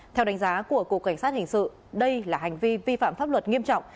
theo đánh giá của cục cảnh sát hình sự đây là hành vi vi phạm pháp luật nghiêm trọng